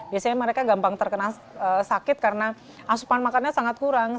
biasanya mereka gampang terkena sakit karena asupan makannya sangat kurang